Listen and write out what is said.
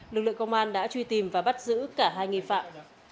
lực lượng công an đã truy tìm và bắt giữ cả hai nghi phạm